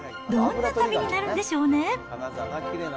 どんな旅になるんでしょうね。